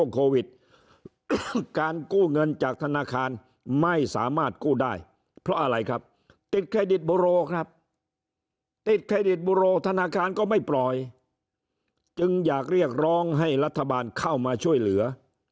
โควิดการกู้เงินจากธนาคารไม่สามารถกู้ได้เพราะอะไรครับติดเครดิตบุโรครับติดเครดิตบุโรธนาคารก็ไม่ปล่อยจึงอยากเรียกร้องให้รัฐบาลเข้ามาช่วยเหลือ